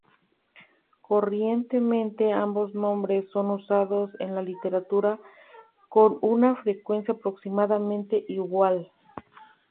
Corrientemente, ambos nombres son usados en la literatura con una frecuencia aproximadamente igual.